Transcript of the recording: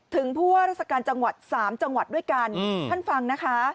ถึงพวกราศการจังหวัดสามจังหวัดด้วยกันอืมท่านฟังนะคะ